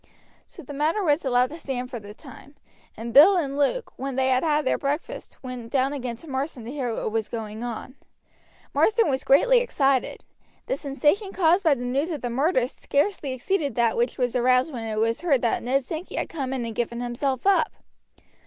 So the matter was allowed to stand for the time; and Bill and Luke, when they had had their breakfast, went down again to Marsden to hear what was going on. Marsden was greatly excited. The sensation caused by the news of the murder scarcely exceeded that which was aroused when it was heard that Ned Sankey had come in and given himself up.